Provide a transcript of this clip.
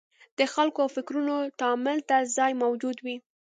د خلکو او فکرونو تامل ته ځای موجود وي.